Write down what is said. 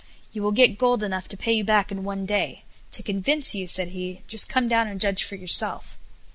You will get gold enough to pay you back in one day. To convince you," said he, "just come down and judge for yourself."